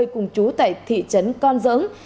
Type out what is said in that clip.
cùng trú tại thị trấn con dỡng